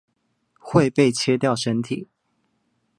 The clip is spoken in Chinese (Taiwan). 會被切掉身體